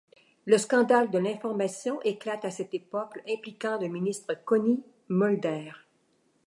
Le Scandale de l'information éclate à cette époque impliquant le ministre Connie Mulder.